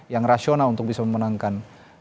yang rasional untuk bisa memenangkan